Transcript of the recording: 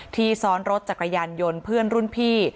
ซ้อนรถจักรยานยนต์เพื่อนรุ่นพี่